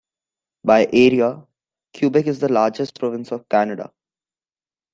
By area, Quebec is the largest province of Canada.